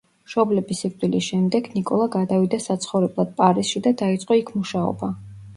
მშობლების სიკვდილის შემდეგ ნიკოლა გადავიდა საცხოვრებლად პარიზში და დაიწყო იქ მუშაობა.